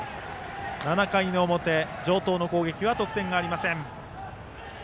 ７回の表、城東の攻撃は得点ありません。